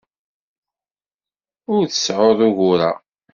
Ur tseɛɛuḍ ugur-a.